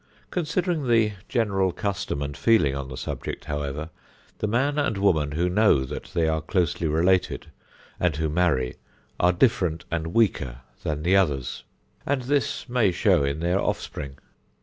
Considering the general custom and feeling on the subject, however, the man and woman who know that they are closely related and who marry are different and weaker than the others; and this may show in their offspring.